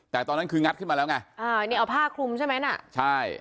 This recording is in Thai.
แต่ตอนนั้นคืองัดขึ้นมาแล้วไงอ่านี่เอาผ้าคลุมใช่ไหมน่ะใช่